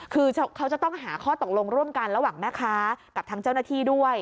คือเขาจะต้องหาข้อตกลงร่วมกันระหว่างแม่ค้ากับทางเจ้าหน้าที่ด้วย